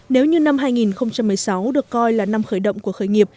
nếu như năm hai nghìn một mươi sáu được coi là năm khởi động của khởi nghiệp